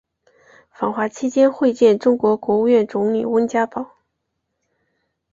访华期间会见中国国务院总理温家宝。